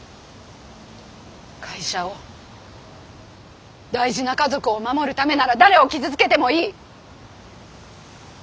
会社を大事な家族を守るためなら誰を傷つけてもいい。